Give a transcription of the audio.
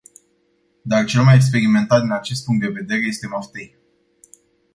Dar cel mai experimentat din acest punct de vedere este maftei.